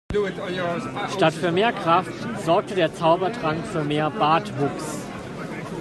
Statt für mehr Kraft sorgte der Zaubertrank für mehr Bartwuchs.